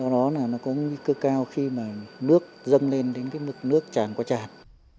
nó có nguy cơ cao khi mà nước dâng lên đến cái mực nước tràn qua tràn